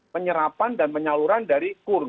penyerapan dan penyaluran dari kur